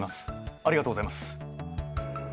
ありがとうございます。